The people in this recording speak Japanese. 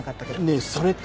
ねえそれってあれ？